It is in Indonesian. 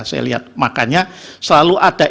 saya lihat makanya selalu ada